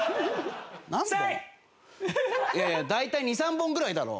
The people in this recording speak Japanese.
いやいや大体２３本ぐらいだろ。